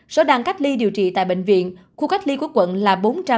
số đàn cách ly điều trị tại bệnh viện khu cách ly của quận là bốn trăm tám mươi một